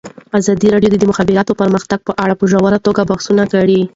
ازادي راډیو د د مخابراتو پرمختګ په اړه په ژوره توګه بحثونه کړي.